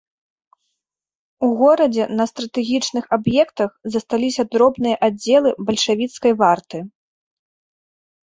У горадзе на стратэгічных аб'ектах засталіся дробныя аддзелы бальшавіцкай варты.